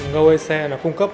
gọi xe nó cung cấp